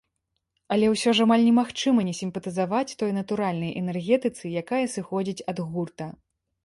Але ўсё ж амаль немагчыма не сімпатызаваць той натуральнай энергетыцы, якая сыходзіць ад гурта.